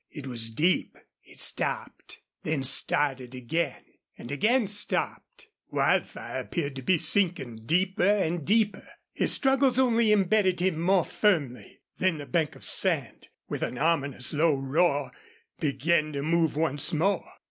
It was deep. It stopped then started again and again stopped. Wildfire appeared to be sinking deeper and deeper. His struggles only embedded him more firmly. Then the bank of sand, with an ominous, low roar, began to move once more.